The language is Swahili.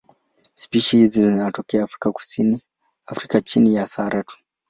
Spishi hizi zinatokea Afrika chini ya Sahara tu.